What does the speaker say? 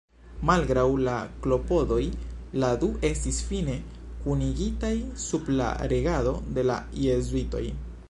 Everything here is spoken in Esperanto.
Malgraŭ la klopodoj, la du estis fine kunigitaj sub la regado de la jezuitoj.